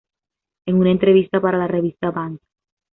En una entrevista para la revista Bang!